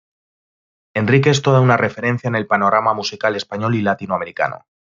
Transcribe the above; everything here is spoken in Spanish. Enrique es toda una referencia en el panorama musical español y latinoamericano.